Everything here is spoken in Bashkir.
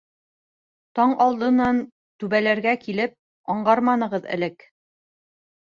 Таң алдынан тәүбәләргә килеп, Аңғарманығыҙ элек.